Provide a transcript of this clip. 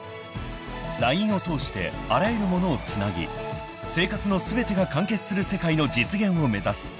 ［「ＬＩＮＥ」を通してあらゆるものをつなぎ生活の全てが完結する世界の実現を目指す］